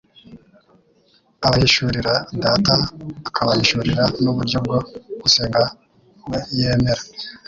Abahishurira Data, akabahishurira n’uburyo bwo gusenga We yemera,